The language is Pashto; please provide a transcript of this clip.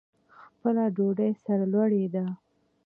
خپله ډوډۍ سرلوړي ده.